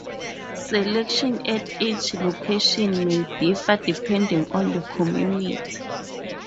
Selection at each location may differ depending on the community.